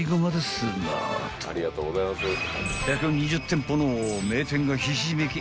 ［１２０店舗の名店がひしめき合う